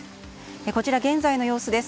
こちら、現在の様子です。